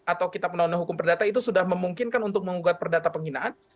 atau kita penuh dengan hukum perdata itu sudah memungkinkan untuk mengugat perdata penghinaan